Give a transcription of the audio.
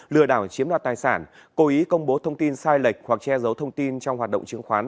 lừa đảo chiếm đoạt tài sản cố ý công bố thông tin sai lệch hoặc che giấu thông tin trong hoạt động chứng khoán